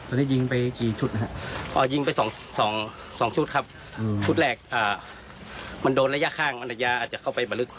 ตอนนี้ยิงไปกี่ชุดนะครับยิงไปสองชุดครับชุดแรกมันโดนระยะข้างมันระยะอาจจะเข้าไปบรรลึก